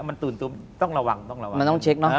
มันตื่นตัวต้องระวังต้องระวังมันต้องเช็คเนาะ